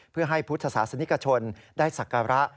เพื่อให้พุทธศาสนิกชนได้ศักระ